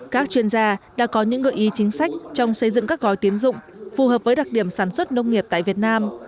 các chuyên gia đã có những gợi ý chính sách trong xây dựng các gói tiến dụng phù hợp với đặc điểm sản xuất nông nghiệp tại việt nam